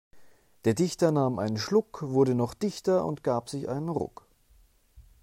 Der Dichter nahm einen Schluck, wurde noch dichter und gab sich einen Ruck.